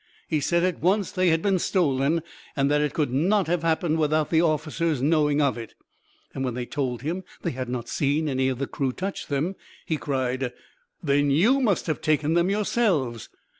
He said at once that they had been stolen, and that it could not have happened without the officers knowing of it. When they told him they had not seen any of the crew touch them, he cried, "Then you must have taken them yourselves!"